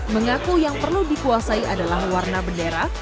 mengaku yang perlu dikuasai adalah warna bendera